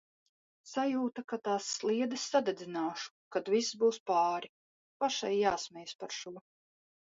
Sajūta, ka tās sliedes sadedzināšu, kad viss būs pāri. Pašai jāsmejas par šo.